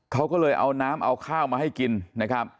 เขาก็เลยเอาน้ำเอาข้าวมาให้กินนะครับ